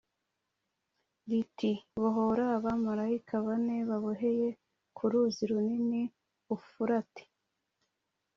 riti “Bohora abamarayika bane baboheye ku ruzi runini Ufurate.”